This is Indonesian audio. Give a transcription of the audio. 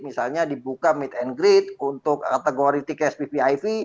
misalnya dibuka meet and greet untuk kategori tks ppiv